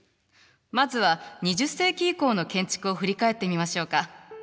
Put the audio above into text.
まずは２０世紀以降の建築を振り返ってみましょうか。